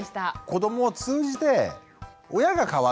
子どもを通じて親が変わっていく。